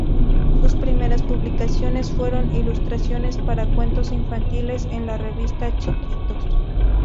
Sus primeras publicaciones fueron ilustraciones para cuentos infantiles en la revista "Chiquitos".